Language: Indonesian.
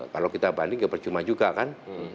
kalau kita banding ya percuma juga kan